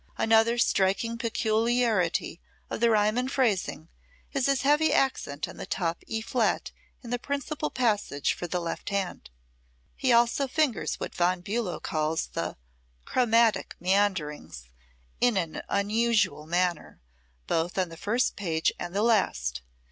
Another striking peculiarity of the Riemann phrasing is his heavy accent on the top E flat in the principal passage for the left hand. He also fingers what Von Bulow calls the "chromatic meanderings," in an unusual manner, both on the first page and the last.